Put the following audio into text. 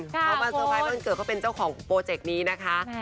เขามาสุดท้ายวันเกิดเขาเป็นเจ้าของโปรเจกต์นี้นะคะ